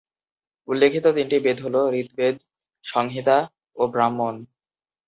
উল্লেখিত তিনটি বেদ হল ঋগ্বেদ, সংহিতা ও ব্রাহ্মণ।